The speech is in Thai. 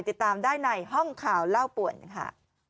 ติดตามได้ในห้องข่าวเล่าป่วนค่ะ